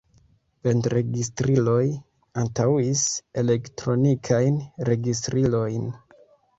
Bendregistriloj antaŭis elektronikajn registrilojn.